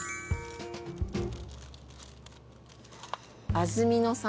安曇野産。